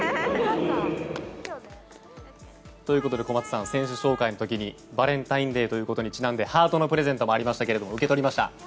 小松さん、選手紹介の時にバレンタインデーということにちなんでハートのプレゼントもありましたが受け取りました？